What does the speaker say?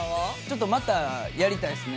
ちょっとまたやりたいですね。